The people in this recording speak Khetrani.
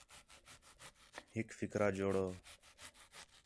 ہک فِقرا جوڑو